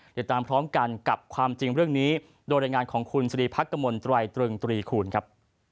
เดี๋ยวตามพร้อมกันกับความจริงเรื่องนี้โดยรายงานของคุณสรีพักกมลตรายตรึงตรีคูณครับ